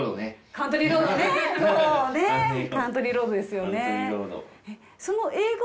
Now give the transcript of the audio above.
『カントリーロード』ですよね。